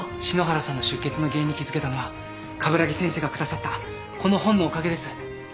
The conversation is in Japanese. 篠原さんの出血の原因に気付けたのは鏑木先生が下さったこの本のおかげです。